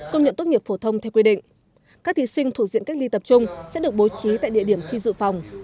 công nhận tốt nghiệp phổ thông theo quy định các thí sinh thuộc diện cách ly tập trung sẽ được bố trí tại địa điểm thi dự phòng